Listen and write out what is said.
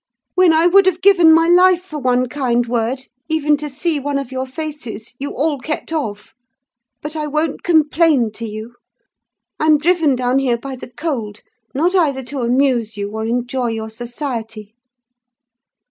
When I would have given my life for one kind word, even to see one of your faces, you all kept off. But I won't complain to you! I'm driven down here by the cold; not either to amuse you or enjoy your society.